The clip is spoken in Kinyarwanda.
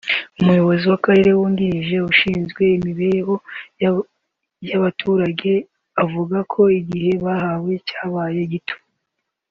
umuyobozi w’akarere wungirije ushinzwe imibereho y’abaturage avuga ko igihe bahawe cyabaye gito